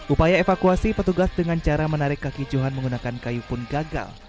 upaya evakuasi petugas dengan cara menarik kaki johan menggunakan kayu pun gagal